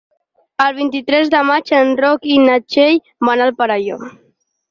El vint-i-tres de maig en Roc i na Txell van al Perelló.